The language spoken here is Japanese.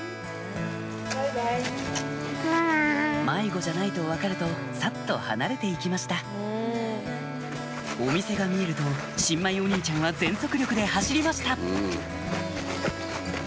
迷子じゃないと分かるとサッと離れて行きましたお店が見えると新米お兄ちゃんは全速力で走りました